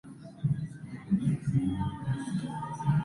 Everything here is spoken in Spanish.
Igualmente, es posible alquilar el material mediante una garantía.